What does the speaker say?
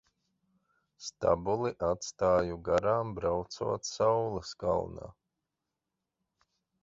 Stabuli atstāju garām braucot saules kalnā.